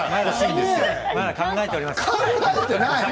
まだ考えております。